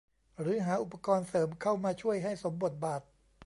หรือหาอุปกรณ์เสริมเข้ามาช่วยให้สมบทบาท